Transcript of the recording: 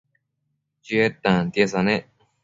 Chied tantiesa nec